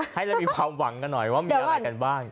ให้เรามีความหวังกันหน่อยว่ามีอะไรกันบ้าง